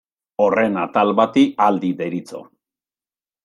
Horren atal bati aldi deritzo.